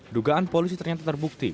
dugaan polisi ternyata terbukti